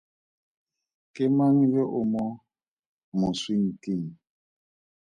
Ke mang yo o mo moswinking?